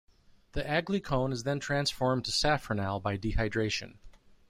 The aglycone is then transformed to safranal by dehydration.